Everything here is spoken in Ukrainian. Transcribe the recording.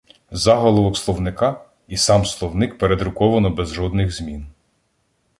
Заголовок словника, і сам словник передруковано без жодних змін.